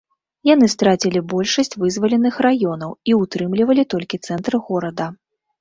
Яны страцілі большасць вызваленых раёнаў і ўтрымлівалі толькі цэнтр горада.